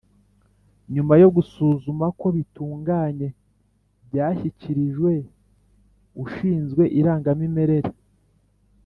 Nyuma yo gusuzuma ko bitunganye byashyikirijwe ushinzwe irangamimerere